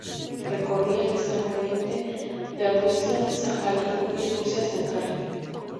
Recorría el Extremo Oriente de Rusia, Sajalín, y Rusia central.